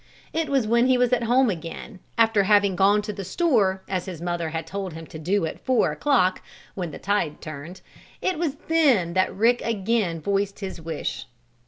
It was when he was at home again, after having gone to the store, as his mother had told him to do at 4 o'clock when the tide turned it was then that Rick again voiced his wish.